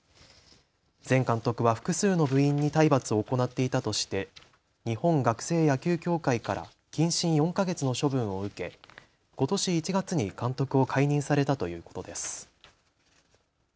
前監督は複数の部員に体罰を行っていたとして日本学生野球協会から謹慎４か月の処分を受けことし１月に監督を解任されたということです。